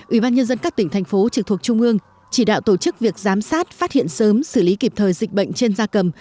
ủy ban nhân dân các tỉnh thành phố trực thuộc trung ương chỉ đạo tổ chức việc giám sát phát hiện sớm xử lý kịp thời dịch bệnh trên da cầm